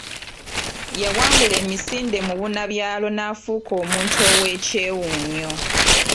Yawangula emisinde mubunabyalo n’afuuka omuntu ow’ekyewuunyo.